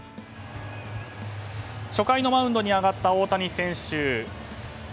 初回のマウンドに上がった大谷選手。